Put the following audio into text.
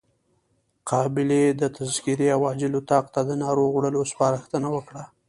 قابلې د تذکرې او عاجل اتاق ته د ناروغ وړلو سپارښتنه وکړه.